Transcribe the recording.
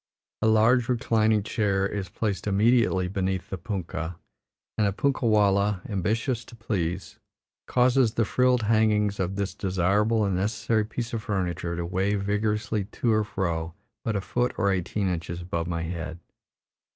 A large reclining chair is placed immediately beneath the punkah, and a punkah wallah, ambitious to please, causes the frilled hangings of this desirable and necessary piece of furniture to wave vigorously to and fro but a foot or eighteen inches above my head.